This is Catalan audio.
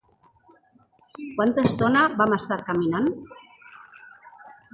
Quanta estona van estar caminant?